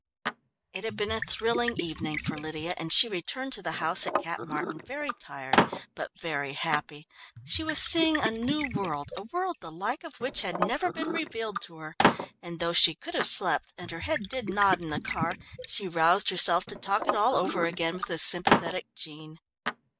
It had been a thrilling evening for Lydia, and she returned to the house at Cap Martin very tired, but very happy. She was seeing a new world, a world the like of which had never been revealed to her, and though she could have slept, and her head did nod in the car, she roused herself to talk it all over again with the sympathetic Jean.